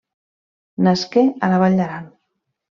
Nasqué a la Vall d'Aran.